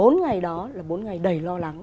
bốn ngày đó là bốn ngày đầy lo lắng